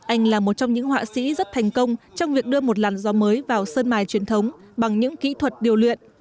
anh là một trong những họa sĩ rất thành công trong việc đưa một làn gió mới vào sơn mài truyền thống bằng những kỹ thuật điều luyện